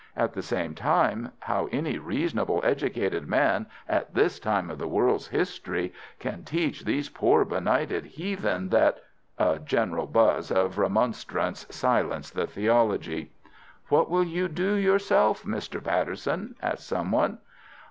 At the same time, how any reasonable educated man at this time of the world's history can teach these poor benighted heathen that——" A general buzz of remonstrance silenced the theology. "What will you do yourself, Mr. Patterson?" asked someone.